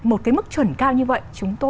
một cái mức chuẩn cao như vậy